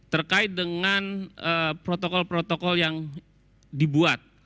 terkait dengan protokol protokol yang dibuat